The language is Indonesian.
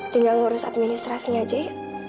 tinggal ngurus administrasinya aja ya